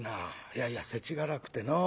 いやいやせちがらくてのう。